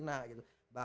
ada yang dari timur